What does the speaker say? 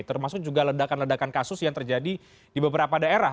termasuk juga ledakan ledakan kasus yang terjadi di beberapa daerah